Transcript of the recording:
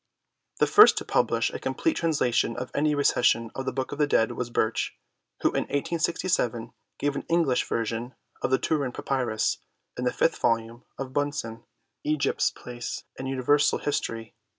The first to publish a complete translation of any Recension of the Book of the Dead was Birch, who in 1867 gave an English version of the Turin papyrus in the fifth volume of Bunsen, Egypt 's Place in Uni versal History, pp.